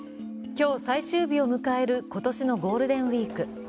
今日、最終日を迎える今年のゴールデンウイーク。